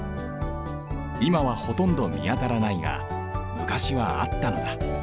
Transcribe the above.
いまはほとんどみあたらないがむかしはあったのだ。